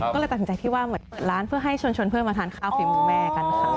ก็เลยตัดสินใจที่ว่าเปิดร้านเพื่อให้ชวนเพื่อนมาทานข้าวฝีมือแม่กันค่ะ